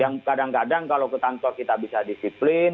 yang kadang kadang kalau ketangkol kita bisa disiplin